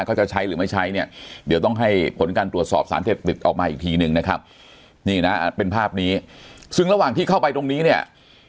จะใช้หรือไม่ใช้เนี่ยเดี๋ยวต้องให้ผลการตรวจสอบสารเสพติดออกมาอีกทีหนึ่งนะครับนี่นะเป็นภาพนี้ซึ่งระหว่างที่เข้าไปตรงนี้เนี่ย